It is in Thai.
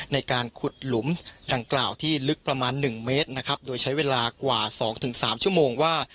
ในการขุดหลุมดังกล่าวที่ลึกประมาณหนึ่งเมตรนะครับโดยใช้เวลากว่าสองถึงสามชั่วโมงว่า